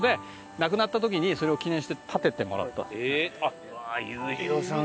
亡くなった時にそれを記念して建ててもらった。